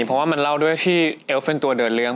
เพราะว่ามันเล่าด้วยที่เอลเป็นตัวเดินเรื่อง